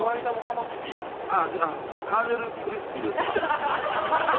あっカーネルクリスピーですわ。